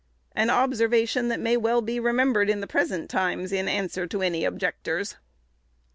An observation that may well be remembered in the present times, in answer to any objectors.